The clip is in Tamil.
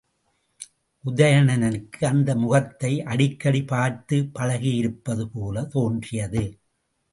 உதயணனுக்கு அந்த முகத்தை அடிக்கடி பார்த்துப் பழகியிருப்பது போலத் தோன்றியது.